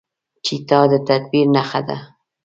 چپتیا، د تدبیر نښه ده.